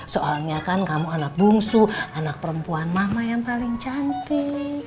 soalnya kan kamu anak bungsu anak perempuan mama yang paling cantik